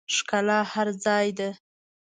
ښکلا هر ځای ده